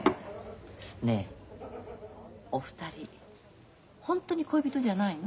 ねえお二人ホントに恋人じゃないの？